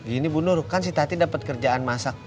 ini bunur kan si tati dapet kerjaan masak